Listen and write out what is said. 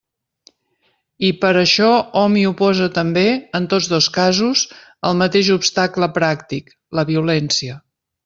I per això hom hi oposa també, en tots dos casos, el mateix obstacle pràctic, la violència.